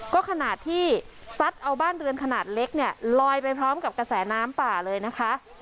ก็ขนาดที่ซัดเอาบ้านเรือนขนาดเล็กเนี่ยลอยไปพร้อมกับกระแสน้ำป่าเลยนะคะ